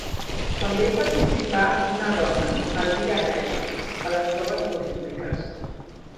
També hi participà una dona, Elvira Guerra, a les proves no olímpiques.